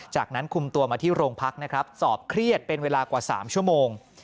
จากนั้นคุมตัวมาที่โรงพักนะครับสอบเครียดเป็นเวลากว่า๓ชั่วโมง